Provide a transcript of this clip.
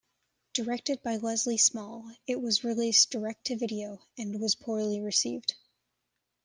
Directed by Leslie Small, it was released direct-to-video, and was poorly received.